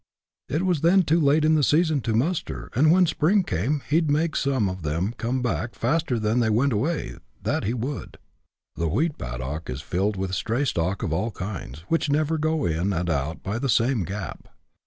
" It was then too late in the season to muster, but when spring came he 'd make some of them come back faster than they went away — that he would." The wheat paddock is filled with stray stock of all kinds, which, never go in and out by the same gap.